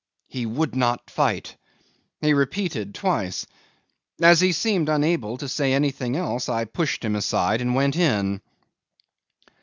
He would not fight," he repeated twice. As he seemed unable to say anything else, I pushed him aside and went in.